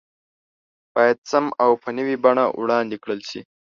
بايد سم او په نوي بڼه وړاندې کړل شي